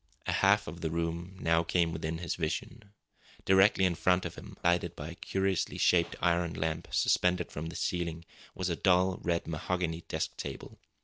A half of the room came within his vision. Directly in front of him, lighted by a curiously shaped iron lamp suspended from the ceiling, was a dull red mahogany desk table.